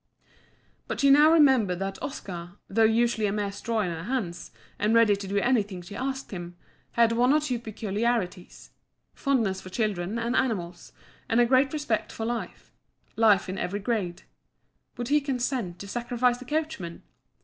But she now remembered that Oscar, though usually a mere straw in her hands, and ready to do anything she asked him, had one or two peculiarities fondness for children and animals, and a great respect for life life in every grade. Would he consent to sacrifice the coachman?